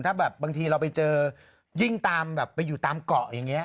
ถ้าแบบบางทีเราไปเจอยิ่งตามแบบไปอยู่ตามเกาะอย่างนี้